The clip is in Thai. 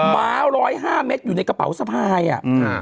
มา๑๐๕เมตรอยู่ในกระเป๋าสภายถิ่มครับ